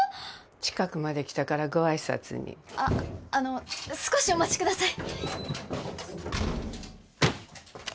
近くまで来たからご挨拶にあっあの少しお待ちください